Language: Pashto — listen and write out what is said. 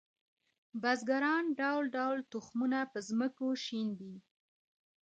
بزګران ډول ډول تخمونه په ځمکو شیندي